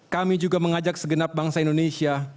kami juga mengajak segenap bangsa indonesia